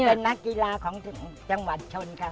เป็นนักกีฬาของจังหวัดชนค่ะ